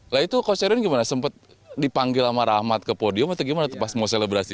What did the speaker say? lah itu kau serius gimana sempet dipanggil sama rahmat ke podium atau gimana pas mau selebrasi